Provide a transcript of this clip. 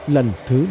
lần thứ ba mươi bảy